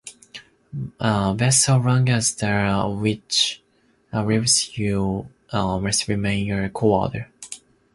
But so long as the Witch lives you must remain a coward.